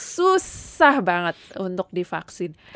susah banget untuk divaksin